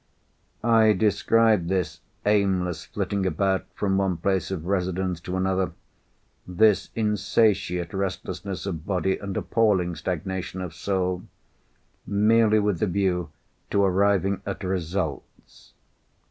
I describe this aimless flitting about from one place of residence to another—this insatiate restlessness of body and appalling stagnation of soul—merely with the view to arriving at results.